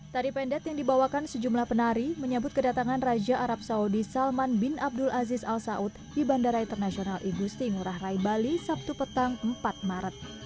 tari pendek yang dibawakan sejumlah penari menyebut kedatangan raja arab saudi salman bin abdul aziz al saud di bandara internasional igusti ngurah rai bali sabtu petang empat maret